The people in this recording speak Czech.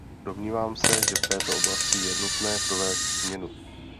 Domnívám se, že v této oblasti je nutné provést změnu.